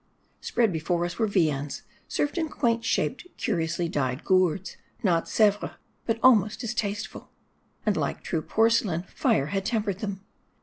Spread before us were viands, served in quaint shaped, curiously dyed gourds, not Sevres, but almost as tasteful ; and like true porcelain, fire had tempered them.